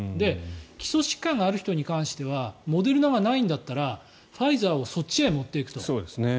基礎疾患がある人に関してはモデルナがないんだったらファイザーをそっちへ持っていくと。